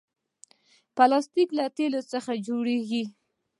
پلاستيک له تیلو څخه جوړېږي.